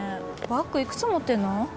バッグいくつ持ってんの？